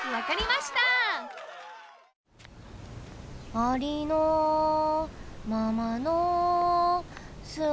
「ありのままの姿」